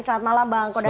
selamat malam bang kodari